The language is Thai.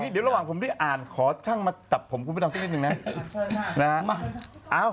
เดี๋ยวระหว่างผมได้อ่านขอช่างมาจับผมคุณพระดำสักนิดนึงนะ